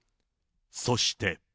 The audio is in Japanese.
そして。